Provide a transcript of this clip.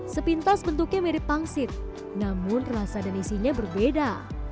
sepintas bentuknya mirip pangsit namun rasa dan isinya berbeda